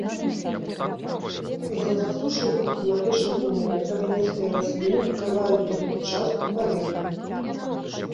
З-за засушлівых кліматычных умоў травяністыя расліны пакрываюць толькі частку паверхні.